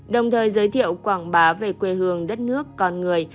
đồng thời giới thiệu quảng bá về quê hương đất nước con người